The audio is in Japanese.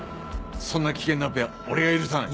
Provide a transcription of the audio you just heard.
そんな危険なオペは俺が許さない。